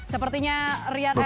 sepertinya rian ernest